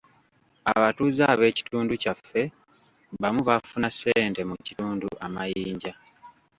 Abatuuze ab'ekitundu kyaffe bamu bafuna ssente mu kitundu amayinja.